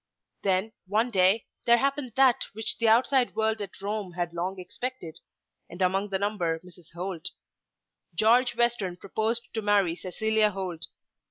Then one day there happened that which the outside world at Rome had long expected; and among the number Mrs. Holt. George Western proposed to marry Cecilia Holt.